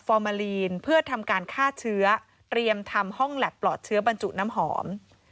มาลีนเพื่อทำการฆ่าเชื้อเตรียมทำห้องแล็ปปลอดเชื้อบรรจุน้ำหอม